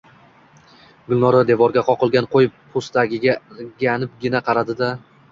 Gulnora devorga qoqilgan qoʼy poʼstagiga irganibgina qaradi-da